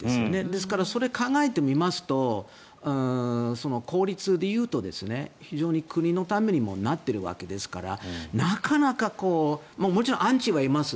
ですから、それを考えてみますと効率で言うと非常に国のためにもなっているわけですからなかなかもちろんアンチもいます。